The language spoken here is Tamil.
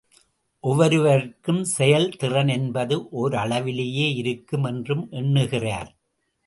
ஒவ்வொருவர்க்கும் செயல்திறன் என்பது ஓரளவிலேயே இருக்கும் என்றும் எண்ணுகிறார்.